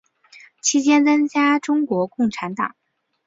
期间参加中国共产党。